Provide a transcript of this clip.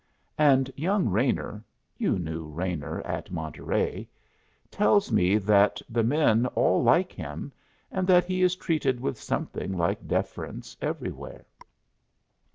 And young Raynor you knew Raynor at Monterey tells me that the men all like him and that he is treated with something like deference everywhere.